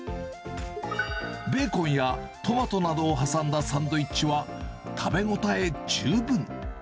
ベーコンやトマトなどを挟んだサンドイッチは、食べ応え十分。